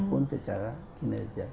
maupun secara kinerja